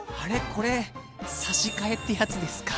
これ差し替えってやつですか？